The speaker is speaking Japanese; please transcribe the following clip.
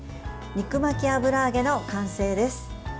肉巻き油揚げの完成です。